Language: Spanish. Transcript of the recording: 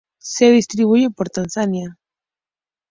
Se distribuyen por Tanzania.